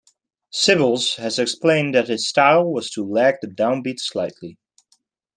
Sibbles has explained that his style was to lag the downbeat slightly.